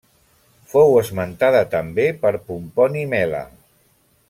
Fou esmentada també per Pomponi Mela.